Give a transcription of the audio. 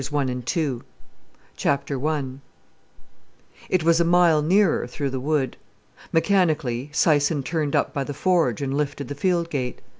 "No," I said. The Shades of Spring I It was a mile nearer through the wood. Mechanically, Syson turned up by the forge and lifted the field gate.